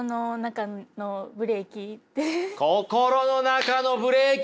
心の中のブレーキ！